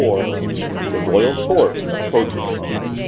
THE ROYAL COURT OF POTU.